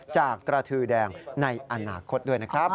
จากกระทือแดงในอนาคตด้วยนะครับ